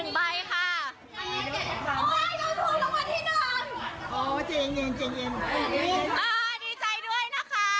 มาดีใจด้วยค่ะดีใจด้วย